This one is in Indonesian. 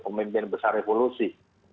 pemimpin besar revolusi